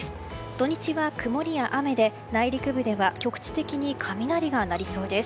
土日は曇りや雨で内陸部では局地的に雷が鳴りそうです。